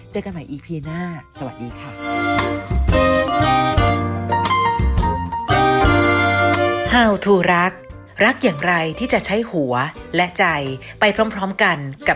เจอกันใหม่อีพีหน้าสวัสดีค่ะ